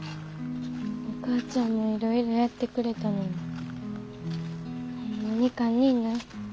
お母ちゃんもいろいろやってくれたのにホンマに堪忍な。